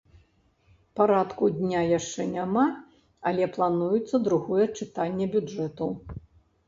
Парадку дня яшчэ няма, але плануецца другое чытанне бюджэту.